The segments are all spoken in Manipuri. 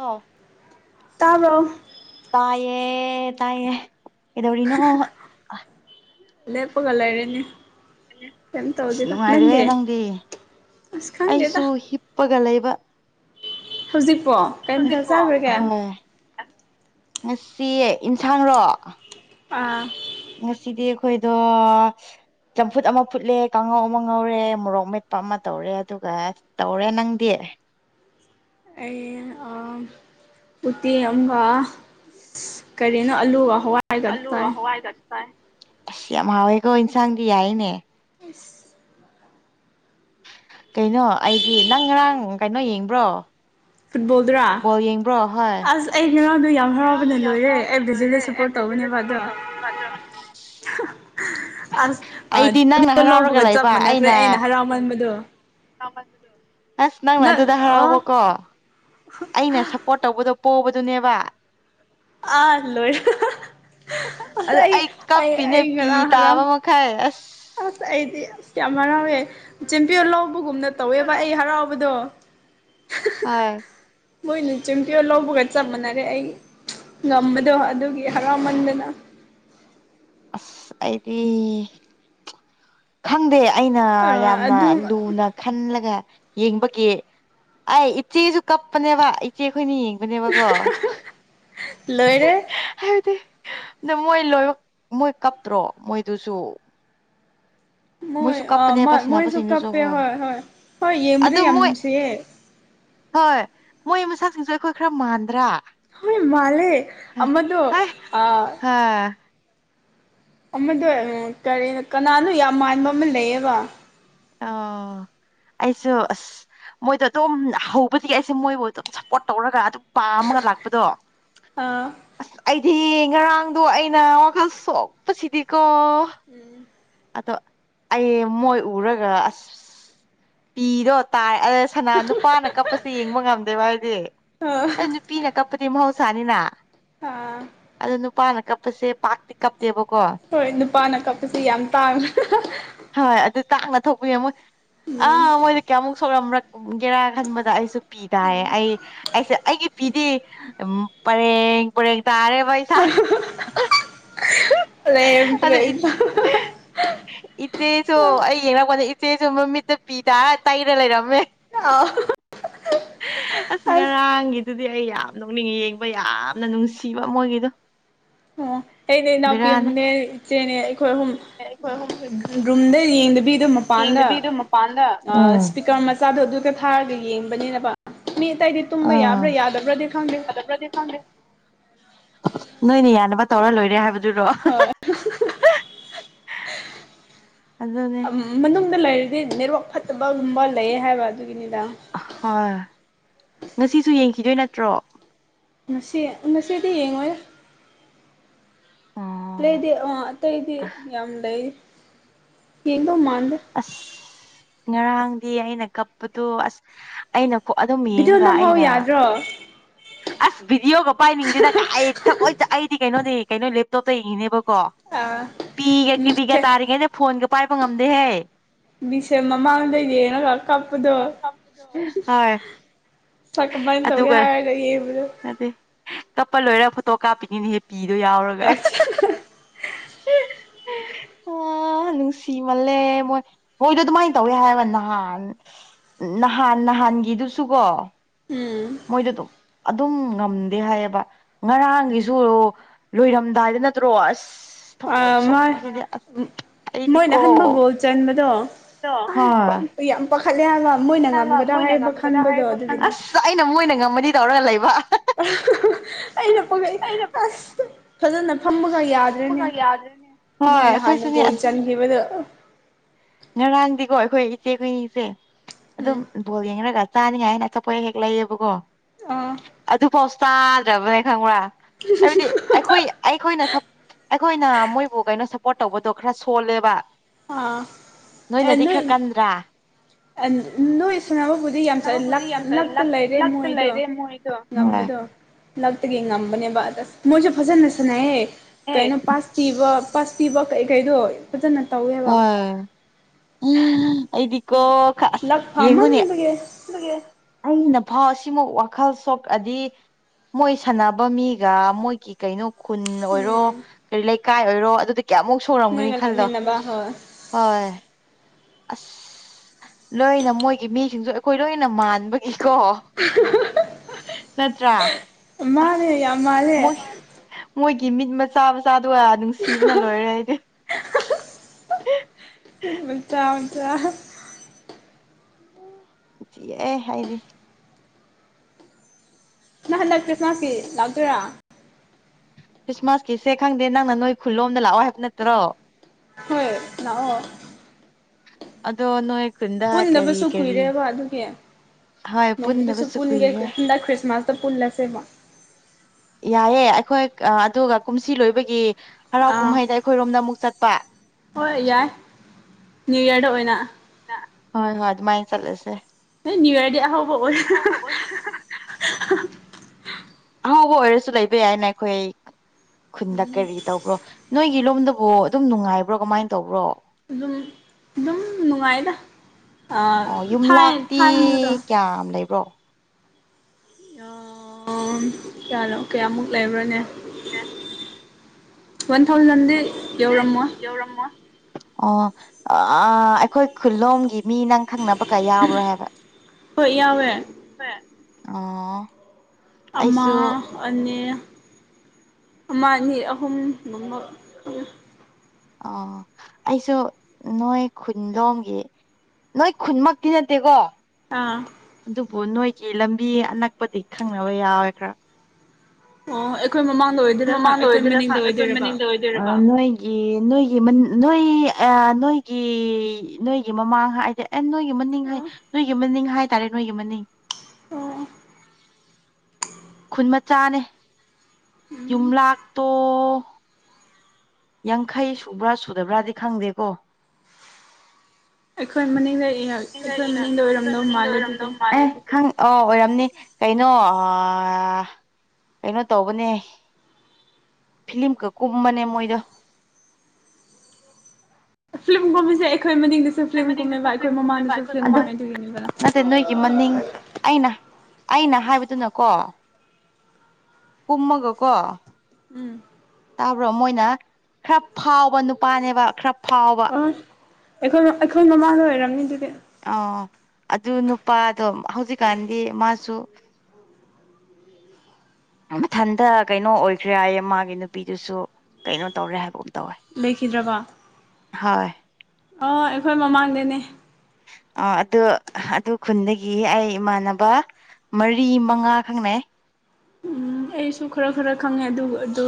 ꯑꯣ ꯇꯥꯕꯣ ꯇꯥꯏꯦ ꯇꯌꯦꯦ ꯑꯦꯗꯣꯧꯔꯅꯣ ꯑꯁ ꯅꯨꯡꯉꯥꯏꯔꯦꯍꯦ ꯅꯪꯗꯤ ꯑꯩꯁꯨ ꯍꯤꯞꯄꯒ ꯂꯩꯕ ꯍꯧꯖꯤꯛꯄꯣ ꯀꯔꯤꯝꯇꯛ ꯆꯥꯈ꯭ꯔꯒꯦ ꯉꯁꯤ ꯌꯦꯟꯁꯥꯡꯔꯣ ꯑꯥ ꯉꯁꯤꯗꯤ ꯑꯩꯈꯣꯏꯗꯣ ꯆꯝꯐꯨꯠ ꯑꯃ ꯐꯨꯠꯂꯦ ꯀꯥꯡꯉꯧ ꯑꯃ ꯉꯧꯔꯦ ꯃꯣꯔꯣꯛ ꯃꯦꯠꯄ ꯑꯃ ꯇꯧꯔꯦ ꯑꯗꯨꯒ ꯇꯧꯔꯦ ꯅꯪꯗꯤ [unintelligible] ꯑꯦ ꯎꯇꯦꯛ ꯑꯃꯒ ꯀꯔꯤꯅ ꯑꯂꯨꯕ ꯑꯂꯨ ꯍꯋꯥꯏ ꯑꯁ ꯌꯥꯝ ꯍꯥꯎꯋꯦꯀꯣ ꯏꯟꯁꯥꯡꯗꯤ ꯌꯥꯏꯅꯦ [unintelligible] ꯀꯩꯅꯣ ꯑꯩꯗꯤ ꯅꯪ ꯉꯔꯥꯡ ꯀꯩꯅꯣ ꯌꯦꯡꯕ꯭ꯔꯣ ꯐꯨꯠꯕꯣꯜꯗ꯭ꯔꯥ ꯑꯁ ꯑꯩ ꯑꯩ ꯉꯔꯥꯡꯗꯣ ꯌꯥꯝ ꯍꯔꯥꯎꯕꯅ ꯂꯣꯏꯔꯦ ꯑꯩ ꯚꯖꯤꯗ ꯁꯞꯄꯣꯔꯠ ꯇꯧꯕꯅꯦꯕ ꯑꯗꯣ [unintelligible] ꯑꯁ ꯂꯧꯕꯒ ꯆꯞ ꯃꯥꯟꯅꯈ꯭ꯔꯦ ꯑꯩꯅ ꯍꯔꯥꯎꯃꯟꯕꯗꯣ ꯑꯁ ꯅꯪꯅ ꯑꯗꯨꯗ ꯍꯔꯥꯎꯕꯀꯣ ꯑꯩꯅ ꯁꯞꯄꯣꯔꯠ ꯇꯧꯕꯗꯣ ꯄꯣꯕꯗꯨꯅꯦꯕ ꯑꯂꯣ ꯑ ꯑꯩ ꯉ ꯇꯥꯕ ꯃꯈꯈꯥꯏ ꯑꯁ ꯑꯁ ꯑꯩꯗꯤ ꯑꯁ ꯌꯥꯝ ꯍꯔꯥꯎꯋꯦ ꯆꯦꯝꯄꯤꯌꯣ ꯂꯧꯕꯒꯨꯝꯅ ꯇꯧꯋꯦꯕ ꯑꯩ ꯍꯔꯥꯎꯕꯗꯣ ꯍꯣꯏ ꯍꯣꯏꯅ ꯆꯤꯡꯇꯤ ꯂꯥꯎꯕꯣꯒ ꯆꯥꯃꯅꯔꯦ ꯑꯩ ꯉꯝꯕꯗꯣ ꯑꯗꯨꯒꯤ ꯍꯔꯥꯎꯃꯟꯗꯅ ꯑꯁ ꯑꯩꯗꯤ ꯈꯪꯗꯦ ꯑꯩꯅ ꯌꯥꯝꯅ ꯂꯨꯅ ꯈꯜꯂꯒ ꯌꯦꯡꯕꯒꯤ ꯑꯩ ꯏꯆꯦꯁꯨ ꯀꯞꯄꯅꯦꯕ ꯏꯆꯦ ꯑꯩꯈꯣꯏꯅ ꯌꯦꯡꯕꯅꯦꯕꯀꯣ ꯂꯣꯏꯔꯦ ꯑꯗ ꯃꯣꯏ ꯂꯣꯏ ꯃꯣꯏ ꯀꯞꯇ꯭ꯔꯣ ꯃꯣꯏꯗꯨꯁꯨ ꯃꯣꯏ ꯃꯣꯏꯁꯨ ꯀꯥꯞꯄꯦ ꯍꯣꯏ ꯍꯣꯏ ꯍꯣꯏ ꯌꯦꯡꯕꯗ ꯌꯥꯝ ꯅꯨꯡꯁꯤꯌꯦ ꯍꯣꯏ ꯃꯣꯏ ꯃꯁꯆꯥꯁꯤꯡꯁꯨ ꯑꯩꯈꯣꯏ ꯈꯔ ꯃꯥꯟꯗ꯭ꯔꯥ ꯍꯣꯏ ꯃꯥꯂꯦ ꯑꯝꯕꯗꯨꯣ ꯑ ꯑꯃꯗꯣ ꯀꯔꯤꯅ ꯀꯅꯥꯅꯣ ꯌꯥꯝ ꯃꯥꯟꯕ ꯑꯃ ꯂꯩꯌꯦꯕ ꯑꯥ ꯑꯩꯁꯨ ꯑꯁ ꯃꯣꯏꯗꯣ ꯑꯗꯨꯝ ꯍꯧꯕꯗꯤꯗꯒꯤ ꯑꯩꯁꯦ ꯃꯣꯏꯕꯨ ꯑꯗꯨꯝ ꯁꯞꯄꯣꯔꯠ ꯇꯧꯔꯒ ꯑꯗꯨꯝ ꯄꯥ ꯑꯃꯒ ꯂꯥꯛꯄꯗꯣ ꯑꯁ ꯑꯩ ꯏ ꯉꯔꯥꯡꯗꯣ ꯑꯩꯅ ꯋꯥꯈꯜ ꯁꯣꯛꯄꯁꯤꯗꯤꯀꯣ ꯑꯗꯣ ꯑꯩ ꯃꯣꯏ ꯎꯔꯒ ꯑꯁ ꯄꯤꯗꯣ ꯇꯥꯔꯦ ꯑ ꯁꯅꯥ ꯅꯨꯄꯥꯅ ꯀꯞꯄꯁꯦ ꯌꯦꯡꯕ ꯉꯝꯗꯦꯕ ꯍꯥꯏꯗꯤ ꯑꯗ ꯅꯨꯄꯤꯅ ꯀꯞꯄꯗꯤ ꯃꯍꯧ ꯅꯤꯅ ꯑ ꯅꯨꯄꯥꯅ ꯀꯞꯄꯁꯦ ꯄꯥꯛꯇꯤ ꯀꯞ ꯍꯣꯏ ꯅꯨꯄꯥꯅ ꯀꯛꯄꯁꯤ ꯌꯥꯝ ꯇꯥꯡꯅ ꯇꯥꯡꯅ ꯊꯣꯛꯄꯤ ꯃꯣꯏ ꯑꯥ ꯃꯣꯏꯗꯤ ꯀꯌꯥꯃꯨꯛ ꯁꯧꯔꯝ ꯎ ꯒꯦꯔꯥ ꯈꯟꯕꯗ ꯑꯩꯁꯨ ꯄꯤ ꯇꯥꯏꯌꯦ ꯑꯩ ꯑꯩꯁꯦ ꯑꯩꯒꯤ ꯄꯤꯗꯤ ꯎ ꯄꯔꯦꯡ ꯄꯔꯦꯡ ꯇꯥꯔꯦ ꯄꯩꯁꯥ ꯑꯗ ꯏꯆꯦꯁꯨ ꯑꯩ ꯌꯦꯡꯉꯛꯄꯗ ꯆꯦꯁꯨ ꯃꯃꯤꯠꯇ ꯄꯤꯗ ꯇꯥꯏꯔ ꯂꯩꯔꯝꯃꯦ ꯑ ꯑꯁꯒ ꯔꯥꯡꯒꯤ ꯑꯗꯨꯗꯤ ꯑꯩ ꯌꯥꯝ ꯅꯣꯛꯅꯤꯡ ꯌꯦꯡꯕ ꯌꯥꯝꯅ ꯅꯨꯡꯁꯤꯕ ꯃꯣꯏꯒꯤꯗꯣ ꯍꯅꯦ ꯏꯅꯥꯎꯄꯤ ꯑꯃꯅꯦ ꯏꯆꯦꯅꯦ ꯑꯩꯈꯣꯏ ꯑꯨꯝ ꯔꯨꯝꯗ ꯌꯦꯡꯗꯕꯤꯗꯣ ꯃꯄꯥꯟꯗ ꯏꯁꯄꯤꯀꯔ ꯃꯆꯥꯗꯣ ꯑꯗꯨ ꯍꯛꯇ ꯊꯥꯔꯒ ꯌꯦꯡꯕꯅꯤꯅꯕ ꯃꯤ ꯑꯇꯩꯗꯤ ꯇꯨꯝꯕ ꯌꯥꯕ꯭ꯔꯥ ꯌꯥꯗꯕ꯭ꯔꯗꯤ ꯈꯪꯗꯦ ꯅꯣꯏꯅ ꯌꯥꯅꯕ ꯇꯧꯔ ꯂꯣꯏꯔꯦ ꯍꯥꯏꯕꯗꯨꯔꯣ ꯃꯅꯨꯡꯗ ꯂꯩꯔꯗꯤ ꯅꯦꯠꯋꯥꯛ ꯐꯠꯇꯕꯒꯨꯝꯕ ꯂꯩ ꯍꯥꯏꯕ ꯑꯗꯨ ꯑ ꯍꯣꯏ ꯉꯁꯤꯁꯨ ꯌꯦꯡꯈꯤꯗꯣꯏ ꯅꯠꯇ꯭ꯔꯣ ꯃꯁꯤꯁꯤ ꯃꯁꯤꯁꯤꯗꯤ ꯌꯦꯡꯉꯣꯏ ꯂꯩꯇꯩꯗꯤ ꯑ ꯑꯇꯩꯗꯤ ꯌꯥꯝ ꯂꯩ ꯌꯦꯡꯗꯣ ꯃꯥ ꯑꯁ ꯉꯔꯥꯡꯗꯤ ꯑꯩꯅ ꯀꯞꯄꯗꯣ ꯑꯁ ꯑꯩꯅ ꯑꯗꯨꯝ ꯌꯦꯡꯒ ꯑꯩꯅ ꯑꯁ ꯚꯗꯤꯑꯣꯒ ꯄꯥꯏꯅꯤꯡꯗꯦꯗ ꯀꯥꯏ ꯊꯣꯏ ꯑꯩꯗꯤ ꯀꯩꯅꯣꯗꯉ ꯀꯩꯅꯣ ꯂꯦꯞꯇꯣꯞꯇ ꯌꯦꯡꯉꯤꯅꯦꯕ ꯀꯣ ꯄꯤꯒ ꯀꯤꯕꯤꯒ ꯇꯥꯔꯤꯉꯩꯩꯅ ꯐꯣꯟꯒ ꯄꯥꯏꯕ ꯉꯝꯗꯦꯍꯦ ꯕꯤꯁꯦꯝ ꯃꯃꯥꯡꯗꯩꯗꯤꯅꯒ ꯀꯞꯄꯗꯣ ꯁꯛ ꯀꯃꯥꯏꯅ ꯇꯧꯒꯦ ꯍꯥꯏꯔꯒ ꯌꯦꯡꯕꯗꯣ ꯄꯣꯇꯣ ꯀꯥꯞꯄꯤꯅꯤꯅꯦꯍꯦ ꯄꯤꯗꯣ ꯌꯥꯎꯔꯒ ꯍ ꯅꯨꯡꯁꯤꯃꯜꯂꯦ ꯃꯣꯏ ꯃꯣꯏꯗꯣ ꯑꯗꯨꯃꯥꯏꯅ ꯇꯧꯋꯦ ꯍꯥꯏꯕ ꯅꯍꯥꯟ ꯅꯍꯥꯟ ꯅꯍꯥꯟꯒꯤꯗꯨꯁꯨ ꯀꯣ ꯃꯣꯏꯗ ꯑꯗꯨꯝ ꯑꯗꯨꯝ ꯉꯝꯗꯦ ꯍꯥꯏꯌꯦꯕ ꯉꯔꯥꯡꯒꯤꯁꯨ ꯂꯣꯏꯔꯝꯗꯥꯏꯗ ꯅꯠꯇ꯭ꯔꯣ ꯑꯁ ꯊꯝꯃꯣꯏ ꯁꯣ ꯍꯥꯏꯗꯤ ꯃꯣꯏꯅ ꯑꯍꯟꯕ ꯒꯣꯜ ꯆꯟꯕꯗꯣ ꯌꯥꯝ ꯄꯥꯈꯠꯂꯦ ꯍꯥꯏꯕ ꯃꯣꯏꯅ ꯉꯝꯒꯗꯥ ꯍꯥꯏꯔꯤꯕꯜ ꯑꯁ ꯑꯩꯅ ꯃꯣꯏꯅ ꯉꯝꯃꯗꯤ ꯇꯧꯔꯒ ꯂꯩꯕ ꯑꯩꯅ ꯄꯣꯛꯈꯩ ꯑꯁ ꯐꯖꯅ ꯐꯝꯃꯒ ꯈ ꯌꯥꯗ꯭ꯔꯦꯅꯦ ꯃꯣꯏꯅ ꯍꯥꯟꯅ ꯒꯣꯜ ꯆꯟꯈꯤꯕꯗꯨ ꯉꯔꯥꯡꯗꯤꯀꯣ ꯑꯩꯈꯣꯏ ꯏꯆꯦ ꯀꯨꯏꯅꯤꯁꯦ ꯑꯗꯨꯝ ꯕꯣꯜ ꯌꯦꯡꯅꯔꯒ ꯇꯥꯅꯤꯡꯉꯥꯏ ꯍꯥꯏꯅ ꯑꯇꯣꯞꯄ ꯍꯦꯛ ꯂꯩꯌꯦꯕꯀꯣ ꯑꯗꯨꯐꯥꯎꯁꯨ ꯇꯥꯗ꯭ꯔꯕꯅꯦ ꯈꯪꯕ꯭ꯔꯥ ꯍꯥꯏꯕꯗꯤ ꯑꯩꯈꯣꯏ ꯑꯩꯈꯣꯏꯅ ꯑꯩꯈꯣꯏꯅ ꯃꯣꯏꯕꯨ ꯀꯩꯅꯣ ꯄꯣꯠ ꯇꯧꯕꯗꯣ ꯈꯔ ꯁꯣꯜꯂꯦꯕ ꯑꯥ ꯅꯣꯏꯅꯗꯤ ꯈꯔ ꯀꯟꯗ꯭ꯔꯥ ꯅꯣꯏ ꯁꯨꯅꯕꯕꯨꯗꯤ ꯌꯥꯝ ꯂꯛꯇ ꯂꯩꯔꯦ ꯃꯣꯏꯗꯣ ꯉꯝꯕ ꯑꯗꯣ ꯂꯛꯇꯒꯤ ꯉꯝꯕꯅꯦꯕ ꯑꯁ ꯃꯣꯏꯁꯨ ꯐꯖꯅ ꯁꯥꯟꯅꯩꯌꯦ ꯀꯅꯣ ꯄꯥꯁ ꯄꯤꯕ ꯄꯥꯁ ꯄꯤꯕ ꯀꯩ ꯀꯩꯗꯣ ꯐꯖꯅ ꯑ ꯎ ꯑꯩꯗꯤꯀꯣ ꯈꯁ ꯌꯦꯉꯨꯅꯦ ꯐꯥꯎ ꯁꯤꯃꯛ ꯋꯥꯈꯜ ꯁꯣꯛꯑꯗꯤ ꯃꯣꯏ ꯁꯥꯟꯅꯕ ꯃꯤꯒ ꯃꯣꯏꯒꯤ ꯀꯩꯅꯣ ꯈꯨꯟ ꯑꯣꯏꯔꯣ ꯀꯔꯤ ꯂꯩꯀꯥꯏ ꯑꯣꯏꯔꯣ ꯑꯗꯨꯗꯤ ꯀꯌꯥꯃꯨꯛ ꯁꯔꯝꯒꯅꯤ ꯈꯜꯂꯣ ꯍꯣꯏ ꯑꯁ ꯂꯣꯏꯅ ꯃꯣꯏꯒꯤ ꯃꯤꯁꯤꯡꯁꯨ ꯑꯩꯈꯣꯏ ꯂꯣꯏꯅ ꯃꯥꯟꯕꯒꯤ ꯀ ꯅꯠꯇ꯭ꯔꯥ ꯑꯁ ꯃꯣꯏ ꯃꯣꯏ ꯀꯃꯤꯁꯥꯕ ꯇ ꯅꯨꯡꯁꯤꯕꯅ ꯂꯣꯏꯔꯦ ꯑꯩꯗꯤ ꯑ [unintelligible] [inaudible] ꯁꯤ ꯍꯥꯏꯗꯤ ꯅ ꯍꯟꯗꯛ ꯈ꯭ꯔꯤꯁꯃꯥꯁꯀꯤ ꯂꯥꯛꯇꯣꯏꯔꯥ ꯈ꯭ꯔꯤꯁꯃꯥꯁꯀꯤꯁꯦ ꯈꯪꯗꯦ ꯅꯪꯅ ꯅꯣꯏ ꯈꯨꯜꯂꯣꯝꯗ ꯂꯥꯛꯑꯣ ꯍꯥꯏꯕ ꯅꯠꯇ꯭ꯔꯣ ꯍꯣꯏꯅꯥꯑꯣꯣ ꯑꯗꯣ ꯅꯣꯏ ꯄꯨꯟꯗꯕꯁꯨ ꯀꯨꯏꯔꯦꯕ ꯑꯗꯨꯒꯤ ꯅꯣꯡꯃꯗꯨꯁꯨ ꯄꯨꯟꯒꯦ ꯍꯟꯗꯛ ꯈ꯭ꯔꯤꯁꯃꯥꯁ ꯄꯨꯜꯂ ꯁꯦꯃ ꯌꯥꯏꯑꯦ ꯑꯩꯈꯣꯏ ꯑꯗꯨꯒ ꯀꯨꯝꯁꯤ ꯂꯣꯏꯕꯒꯤ ꯍꯔꯥꯎ ꯀꯨꯝꯍꯩꯗ ꯑꯩꯈꯣꯏꯔꯣꯝꯗ ꯑꯃꯨꯛ ꯆꯠꯄ ꯍꯣꯏ ꯑꯦꯏ ꯅ꯭ꯌꯨ ꯏꯔꯗ ꯑꯣꯏꯅ ꯍꯣꯏ ꯍꯣꯏ ꯑꯗꯨ ꯃꯥꯥꯏ ꯆꯂꯁꯦ ꯅꯤꯡꯎ ꯏꯔꯗ ꯍꯕ ꯑꯣ ꯑꯍꯥꯎꯧꯕ ꯑꯣꯏꯔꯁꯨ ꯂꯩꯕ ꯌꯥꯏꯅ ꯑꯩꯈꯣꯏ ꯈꯨꯟꯗ ꯀꯔꯤ ꯇꯧꯕ꯭ꯔꯣ ꯅꯣꯏꯒꯤ ꯂꯣꯝꯗꯕꯨ ꯑꯗꯨꯝ ꯅꯨꯡꯉꯥꯏꯕ꯭ꯔꯣ ꯀꯃꯥꯏꯅ ꯇꯧꯕ꯭ꯔꯣ ꯑꯗꯨꯝ ꯅꯨꯡꯉꯥꯏꯗꯥꯏ ꯊꯥꯏꯅꯤꯗꯣ ꯌꯥꯅꯣ ꯀꯌꯥꯃꯨꯛ ꯂꯩꯕ꯭ꯔꯅꯦ ꯋꯥꯟ ꯊꯥꯎꯖꯟꯗꯤ ꯌꯎꯔꯃ ꯑꯣ ꯑꯩꯈꯣꯏ ꯈꯨꯂꯣꯝꯒꯤ ꯃꯤ ꯅꯪ ꯈꯪꯅꯕ ꯀ ꯌꯥꯎꯔꯥ ꯍꯥꯏꯕ ꯍꯣꯏ ꯌꯥꯎꯋꯦ ꯑꯣ ꯑꯃ ꯑ ꯑꯃ ꯑꯅꯤ ꯑꯍꯨꯝ ꯃ ꯑ ꯑꯩꯁꯨ ꯅꯣꯏ ꯈꯨꯟꯂꯣꯝꯒꯤ ꯅꯣꯏ ꯈꯨꯟꯃꯛꯇꯤ ꯅꯠꯇꯦꯀꯣ ꯑꯥ ꯕꯨ ꯅꯣꯏꯒꯤ ꯂꯝꯕꯤ ꯑꯅꯛꯄꯗꯤ ꯈꯪꯅꯕ ꯌꯥꯎꯋꯦ ꯈꯔ ꯑꯣ ꯑꯩꯈꯣꯏ ꯃꯃꯥꯡꯗ ꯑꯣꯏꯗꯣꯏꯔꯥ ꯑꯩꯈꯣꯏ ꯃꯅꯤꯡꯗ ꯑꯣꯏꯗꯣꯏꯔꯕ ꯅꯣꯏꯒꯤ ꯅꯣꯏꯒꯤ ꯅꯣꯏ ꯅꯣꯏꯒꯤ ꯅꯣꯏꯒꯤ ꯃꯃꯥꯡ ꯍꯥꯏꯗꯤ ꯑꯦ ꯅꯣꯏꯒꯤ ꯌꯨꯝꯍꯟꯅꯤꯡ ꯍꯥꯏ ꯅꯣꯏ ꯌꯨꯝꯍꯟꯅꯤꯡ ꯍꯥꯏꯇꯥꯔꯦ ꯅꯣꯏ ꯌꯨꯝꯍꯟꯅꯤꯡ ꯑꯣ ꯈꯨꯟ ꯃꯆꯥꯅꯦ ꯌꯨꯝꯂꯥꯛꯇꯣ ꯌꯥꯡꯈꯩ ꯁꯨꯕ꯭ꯔꯥ ꯁꯨꯗꯕ꯭ꯔꯥꯗꯤ ꯈꯪꯗꯦꯀꯣ ꯑꯩꯈꯣꯏ ꯃꯅꯤꯡꯗ ꯑꯩꯈꯣꯏ ꯃꯅꯤꯡꯗ ꯑꯣꯏꯔꯝꯗꯧ ꯃꯥꯜꯂꯦ ꯑꯗꯨꯗꯤ ꯪ ꯑꯥ ꯑꯣꯏꯔꯝꯅꯤ ꯀꯩꯅꯣ ꯀꯩꯅꯣ ꯇꯧꯕꯅꯦ ꯐꯤꯂꯤꯝꯀ ꯀꯨꯝꯕꯅꯦ ꯃꯣꯏꯗꯣ ꯐꯤꯂꯝꯒꯨꯝꯝꯁꯦ ꯑꯩꯈꯣꯏ ꯃꯅꯤꯡꯗꯁꯨ ꯐꯤꯂꯝ ꯀꯨꯝꯃꯦꯕ ꯑꯩꯈꯣꯏ ꯃꯃꯥꯡꯗꯁꯨ ꯐꯤꯂꯝ ꯀꯨꯝꯃꯦ ꯑꯗꯨꯒꯤꯅꯤꯕ ꯑꯩꯅ ꯍꯥꯏꯕꯗꯨꯅꯀꯣ ꯀꯨꯝꯃꯒ ꯀꯣ ꯎꯝ ꯇꯕ꯭ꯔꯣ ꯃꯣꯏꯅ ꯈꯔ ꯐꯥꯎꯕ ꯅꯨꯄꯥꯅꯦꯕ ꯈꯔ ꯐꯥꯎꯕ ꯑꯩꯈꯣꯏ ꯑꯩꯈꯣꯏ ꯃꯃꯥ ꯂꯣꯏꯔꯝꯅꯤ ꯑꯗꯨꯗꯤ ꯑꯣ ꯑꯗꯨ ꯅꯨꯄꯥꯗꯣ ꯍꯧꯖꯤꯛꯀꯥꯟꯗꯤ ꯃꯥꯁꯨ ꯃꯊꯟꯇ ꯀꯩꯅꯣ ꯑꯣꯏꯈ꯭ꯔꯦ ꯍꯥꯏꯌꯦ ꯃꯥꯒꯤ ꯅꯨꯄꯤꯗꯨꯁꯨ ꯀꯩꯅꯣ ꯇꯧꯔꯦ ꯍꯥꯏꯕ ꯑꯃ ꯂꯩꯈꯤꯗ꯭ꯔꯕꯣ ꯑꯣ ꯑꯩꯈꯣꯏ ꯃꯃꯥꯡꯗꯅꯦ ꯑꯣ ꯑꯗꯨ ꯑꯗꯨ ꯈꯨꯟꯗꯒꯤ ꯑꯩ ꯏꯃꯥꯟꯅꯕ ꯃꯔꯤ ꯃꯉꯥ ꯈꯪꯅ ꯎꯝ ꯑꯩꯁꯨ ꯈꯔ ꯈꯔ ꯈꯪꯉꯦ ꯑꯗꯨ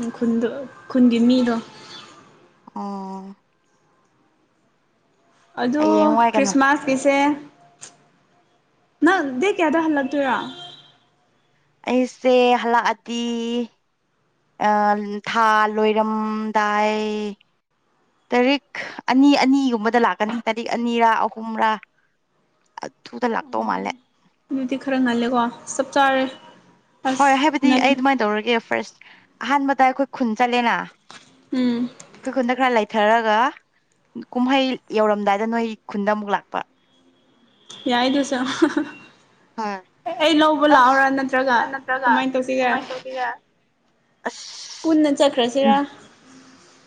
ꯑꯣ ꯈꯨꯟꯗꯣ ꯈꯨꯟꯒꯤ ꯃꯤꯗꯣ [unintelligible] ꯑꯣꯥ ꯑꯗꯨ ꯈ꯭ꯔꯤꯁꯃꯥꯁꯀꯤꯁꯦ ꯅꯪ ꯗꯦ ꯀꯌꯥꯗ ꯍꯜ ꯂ ꯇꯨꯔ ꯑꯩꯁꯦ ꯍꯂꯛꯑꯗꯤ ꯑ ꯊꯥ ꯂꯣꯏꯔꯝꯗꯥꯏ ꯇꯔꯤꯛ ꯑꯅꯤ ꯑꯅꯤꯒꯨꯝꯕꯗ ꯂꯥꯛꯀꯅꯤ ꯇꯥꯔꯤꯛ ꯑꯅꯤꯔꯥ ꯑꯍꯨꯝꯔꯥ ꯑꯊꯨꯗ ꯂꯥꯛꯇꯧ ꯃꯥꯜꯂꯦ ꯑꯗꯨꯗꯤ ꯈꯔ ꯉꯜꯂꯦꯀꯣ ꯆꯞ ꯆꯥꯔꯦ ꯍꯣꯏ ꯍꯥꯏꯕꯗꯤ ꯑꯩ ꯑꯗꯨꯃꯥꯏꯅ ꯇꯧꯔꯒꯦ ꯐꯥꯔꯁ ꯑꯍꯥꯟꯕꯗ ꯑꯩꯈꯣꯏ ꯈꯨꯟ ꯆꯠꯂꯦꯅ ꯑꯩꯈꯣꯏ ꯈꯨꯗ ꯈꯔ ꯂ ꯆꯥꯏꯊꯔꯒ ꯀꯨꯝꯍꯩ ꯌꯧꯔꯝꯗꯥꯏꯗ ꯅꯣꯏ ꯈꯨꯟꯗ ꯑꯃꯨꯛ ꯂꯥꯛꯄ ꯌꯥꯏꯗꯁ ꯑꯩ ꯂ ꯄꯨ ꯂꯥꯛꯑꯣꯔꯥ ꯅꯠꯇ꯭ꯔꯒ ꯀꯃꯥꯏꯅ ꯇꯧꯁꯤꯒꯦ ꯄꯨꯟꯅ ꯆꯠꯈ꯭ꯔꯁꯤꯔꯥ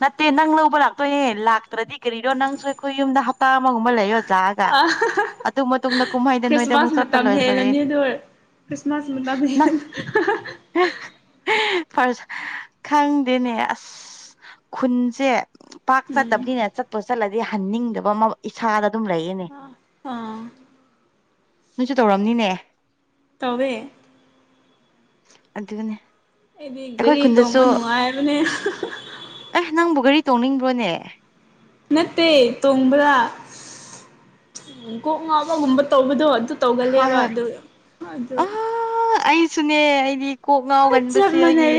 ꯅꯠꯇꯦ ꯅꯪ ꯂꯧꯕ ꯂꯥꯛꯇꯣꯏꯅꯦ ꯂꯥꯛꯇ꯭ꯔꯗꯤ ꯀꯔꯤꯔꯣ ꯅꯪꯁꯨ ꯑꯩꯈꯣꯏ ꯌꯨꯝꯗ ꯑꯃꯒꯨꯝꯕ ꯂꯩꯌꯣꯖꯥꯑꯒ ꯑꯗꯨ ꯃꯇꯨꯡꯗ ꯀꯨꯝꯍꯩꯗ ꯅꯣꯏꯗ ꯑꯃꯨꯛ ꯆꯠꯄ ꯂꯣꯏꯔꯦ ꯅ ꯈꯪꯗꯦꯅꯦ ꯑꯁ ꯈꯨꯟꯁꯦ ꯄꯥꯛ ꯆꯠꯇꯕꯅꯤꯅ ꯆꯠꯄ ꯆꯠꯂꯗꯤ ꯍꯟꯅꯤꯡꯗꯕ ꯑꯃ ꯏꯁꯥꯗ ꯑꯗꯨꯝ ꯂꯩꯌꯦ ꯑ ꯑꯥ ꯅꯣꯏꯁꯨ ꯇꯧꯔꯝꯅꯤꯅꯦ ꯇꯋꯦ ꯑꯗꯨꯒꯅꯦ ꯑꯩꯗꯤ ꯒꯥꯔꯤ ꯇꯣꯡꯕ ꯅꯨꯡꯉꯥꯏꯕꯅꯦ ꯅꯪꯕꯨ ꯒꯥꯔꯤ ꯇꯧꯅꯤꯡꯕ꯭ꯔꯣꯅꯦ ꯅꯠꯇꯦ ꯇꯣꯡꯕꯗ ꯎ ꯀꯣꯛ ꯉꯥꯎꯕꯒꯨꯝꯕ ꯇꯧꯕꯗꯣ ꯑꯗꯨ ꯇꯧꯒꯜꯂꯦꯕ ꯑꯗꯨ ꯑꯗꯨ ꯀꯣꯛ ꯉꯥꯎꯒꯟꯕꯕꯁꯤꯦ ꯑꯩꯒꯤ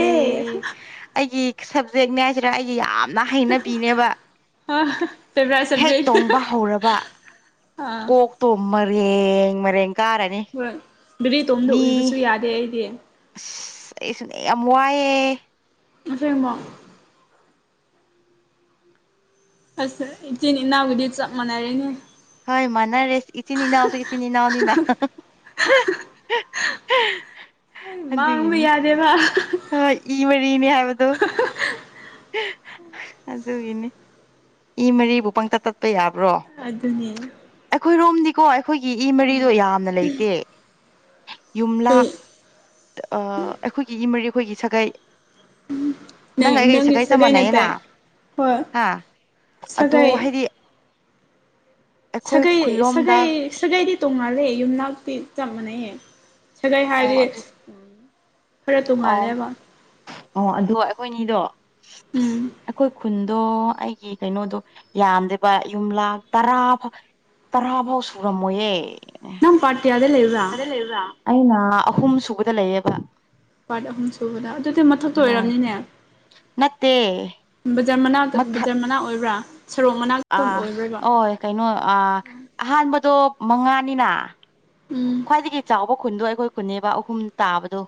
ꯑꯩꯒꯤ ꯁꯕꯖꯦꯛꯅꯦ ꯍꯥꯏꯁꯤꯔꯥ ꯑꯩꯒꯤ ꯌꯥꯝ ꯅꯥ ꯍꯩꯅꯕꯤꯅꯦꯕ ꯍꯦꯛ ꯇꯣꯡꯕ ꯍꯧꯔꯕ ꯀꯣꯛꯇꯣ ꯃꯔꯦꯡ ꯃꯔꯦꯡ ꯀꯥꯔꯅꯤ ꯕꯦꯔꯤꯦꯇꯣꯝꯗ ꯎꯏꯕꯁꯨ ꯌꯥꯗꯦ ꯑꯩꯗꯤ ꯑꯁ ꯑꯩꯁꯨꯅꯦ ꯌꯥꯝ ꯋꯥꯏꯑꯦ ꯑꯁꯦꯡꯕ ꯑꯁ ꯏꯆꯤꯟ ꯏꯅꯥꯎꯕꯨꯗꯤ ꯆꯞ ꯃꯥꯟꯅꯔꯦꯅꯦ ꯍꯣꯏ ꯃꯅꯥ ꯔꯦꯁ ꯏꯆꯅꯤꯅꯥꯎꯁꯨ ꯏꯆꯅꯤꯅꯥꯎꯅꯤꯅ ꯍꯣꯏ ꯃꯥꯡꯕ ꯌꯥꯗꯦꯕ ꯍ ꯏ ꯃꯔꯤꯅꯦ ꯍꯥꯏꯕꯗꯨꯣ ꯑꯗꯨ ꯏꯅꯦ ꯏ ꯃꯔꯤꯨ ꯄꯪꯇ ꯇꯠꯄ ꯌꯥꯕ꯭ꯔ ꯭ꯔꯣ ꯑꯩꯈꯣꯏ ꯔꯣꯝꯅꯤꯀꯣ ꯑꯩꯈꯣꯏꯒꯤ ꯏ ꯃꯔꯤꯗꯣ ꯌꯥꯝꯅ ꯂꯩꯇꯦ ꯌꯨꯝꯂꯥꯛ ꯑꯩꯈꯣꯏꯒꯤ ꯃꯔꯤ ꯑꯩꯈꯣꯏꯒꯤ ꯁꯥꯒꯥꯏ ꯎꯝ ꯅꯪ ꯅꯪꯒꯤ ꯁꯒꯥꯏ ꯅꯠꯇꯥꯏ ꯍꯣꯏ ꯁꯒꯥꯏ ꯁꯒꯩ ꯁꯒꯩ ꯁꯒꯩꯗꯤ ꯇꯣꯡꯉꯥꯜꯂꯦ ꯌꯨꯝꯅꯥꯛꯇꯤ ꯆꯞ ꯃꯥꯟꯅꯩꯌꯦ ꯁꯒꯩ ꯍꯥꯏꯔꯤꯦ ꯎ ꯑꯣ ꯑꯣ ꯑꯣ ꯑꯩꯈꯣꯏꯅꯤꯗꯣ ꯑꯩꯈꯣꯏ ꯈꯨꯟ ꯑꯗꯣ ꯑꯩꯒꯤ ꯀꯩꯅꯣꯗꯣ ꯌꯥꯝꯗꯦꯕ ꯌꯨꯝꯂꯥꯛ ꯇꯔꯥ ꯐ ꯇꯔꯥꯐꯥꯎ ꯁꯨꯔꯝꯃꯣꯌꯦꯦ ꯅꯝ ꯄꯔꯇꯤ ꯑꯗ ꯂꯩ ꯑꯩꯅ ꯑꯍꯨꯝ ꯁꯨꯕꯗ ꯂꯩꯌꯦꯕ ꯄꯥꯔꯠ ꯑꯍꯨꯝ ꯁꯨꯕꯗ ꯑꯗꯨꯗꯤ ꯃꯊꯛꯇ ꯑꯣꯏꯔꯕꯅꯤꯅꯦ ꯕꯖꯔ ꯃꯅꯥ ꯕꯖꯥꯔ ꯃꯅꯥ ꯑꯣꯏꯕ꯭ꯔꯥ ꯑꯥ ꯍ ꯀꯩꯅꯣ ꯑ ꯑꯍꯥꯟꯕꯗꯣ ꯃꯉꯥꯅꯤꯅ ꯈ꯭ꯋꯥꯏꯗꯒꯤ ꯆꯥꯎꯕ ꯈꯨꯟꯗꯣ ꯑꯩꯈꯣꯏ ꯈꯨꯟꯅꯦꯕ ꯑꯍꯨꯝ ꯇꯥꯕꯗꯣ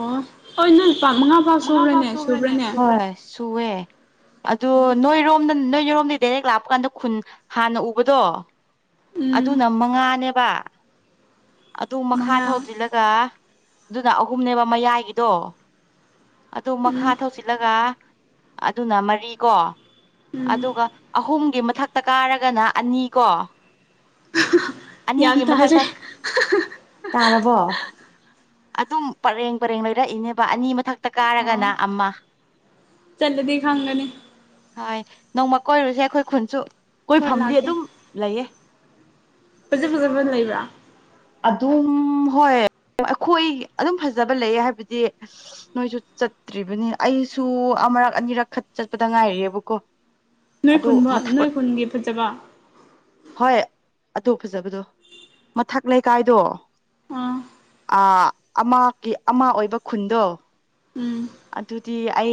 ꯑꯣ ꯍꯣꯏ ꯅꯪ ꯄꯥꯛ ꯃꯉꯥ ꯐꯥꯎ ꯁꯨꯕ꯭ꯔꯅꯦ ꯁꯨꯕ꯭ꯔꯅꯦ ꯇꯋꯦ ꯑꯗꯨꯣ ꯅꯣꯏꯔꯣꯝꯗ ꯅꯣꯏ ꯌꯔꯣꯝꯗꯤ ꯗꯥꯏꯔꯦꯛ ꯂꯥꯞꯄ ꯀꯥꯟꯗ ꯈꯨꯟ ꯍꯥꯟꯅ ꯎꯕꯗꯣ ꯑꯗꯨꯅ ꯃꯉꯥꯅꯦꯕ ꯑꯗꯨ ꯃꯈꯥ ꯊꯧꯗꯜꯂꯒ ꯑꯗꯨꯅ ꯑꯍꯨꯝꯅꯦꯕ ꯃꯌꯥꯏꯒꯤꯗꯣ ꯑꯗꯨ ꯃꯈꯥ ꯊꯧꯁꯤꯜꯂꯒ ꯑꯗꯨꯅ ꯃꯔꯤ ꯀꯣ ꯑꯗꯨꯒ ꯑꯍꯨꯝꯒꯤ ꯃꯊꯛꯇ ꯀꯥꯔꯒꯅ ꯑꯅꯤ ꯀꯣ ꯌꯥ ꯇ ꯍꯥꯏꯖ꯭ꯔꯦ ꯇꯥꯔꯕꯣ ꯑꯗꯨꯝ ꯄꯔꯦꯡ ꯄꯔꯦꯡ ꯂꯩꯔꯛꯏꯅꯦꯕ ꯑꯅꯤ ꯃꯊꯛ ꯛꯇ ꯀꯥꯔꯒꯅ ꯑꯃ ꯍ ꯅꯣꯡꯃ ꯀꯣꯏꯔꯨꯁꯦ ꯑꯩꯈꯣꯏ ꯈꯨꯟꯁꯨ ꯀꯣꯏꯐꯝꯗꯤ ꯑꯗꯨꯝ ꯂꯩꯌꯦ ꯐꯖ ꯐꯖꯕ ꯂꯩꯕ꯭ꯔꯥ ꯑꯗꯨꯝ ꯍꯣꯏ ꯑꯩꯈꯣꯏ ꯑꯗꯨꯝ ꯐꯖꯕ ꯂꯩ ꯍꯥꯏꯕꯗꯤ ꯅꯣꯏꯁꯨ ꯆꯠꯇ꯭ꯔꯤꯕꯅꯤ ꯑꯩꯁꯨ ꯑꯃꯨꯔꯛ ꯑꯅꯤꯔꯛ ꯈ ꯆꯠꯄꯗ ꯉꯥꯏꯔꯤꯦꯕꯀꯣ ꯑꯗꯨ ꯃꯊꯛ ꯍꯣꯏ ꯑꯗꯨ ꯐꯖꯕꯗꯣ ꯃꯊꯛ ꯂꯩꯀꯥꯏꯗꯣ ꯑ ꯑꯃꯒꯤ ꯑꯃ ꯑꯣꯏꯕ ꯈꯨꯟꯗꯣ [unintelligible] ꯑꯗꯨꯗꯤ ꯑꯩ